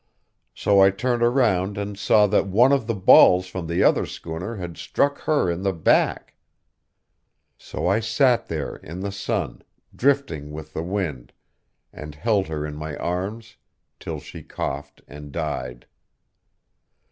So I turned around and saw that one of the balls from the other schooner had struck her in the back. So I sat there, in the sun, drifting with the wind, and held her in my arms till she coughed and died.